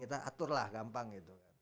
kita aturlah gampang gitu